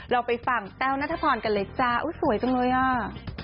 เราไปฝั่งเต้านัทธพรกันเลยจ้าอุ๊ยสวยจังเลยอ่ะ